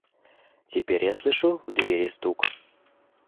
Теперь я слышу в двери стук.